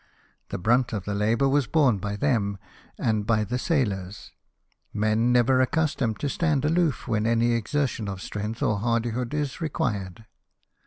The brunt of the labour was borne by them, and by the sailors — men never accustomed to stand aloof when any exertion of strength or hardihood is required.